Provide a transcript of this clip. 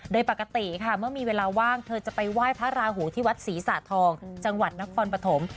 โดยปกติค่ะเมื่อมีเวลาว่างเธอจะไปไหว้พระราหูที่วัดศรีสะทองจังหวัดนครปฐม